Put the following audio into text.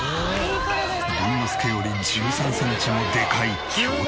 倫之亮より１３センチもでかい強敵。